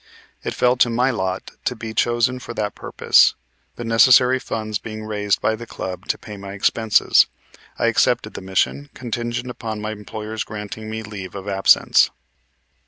It fell to my lot to be chosen for that purpose; the necessary funds being raised by the club to pay my expenses. I accepted the mission, contingent upon my employer's granting me leave of absence.